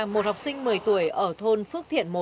một học sinh một mươi tuổi ở thôn phước thiện một